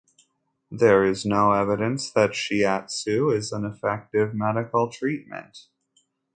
There is no evidence that shiatsu is an effective medical treatment.